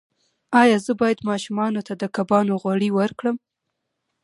ایا زه باید ماشوم ته د کبانو غوړي ورکړم؟